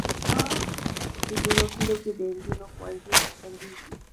په ځینو کلیو کې د انجونو ښوونځي بندېږي.